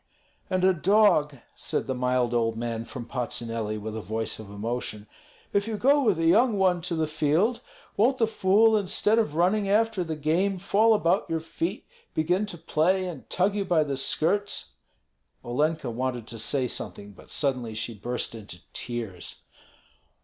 "And a dog," said the mild old man from Patsuneli, with a voice of emotion, "if you go with a young one to the field, won't the fool instead of running after the game fall about your feet, begin to play, and tug you by the skirts?" Olenka wanted to say something, but suddenly she burst into tears.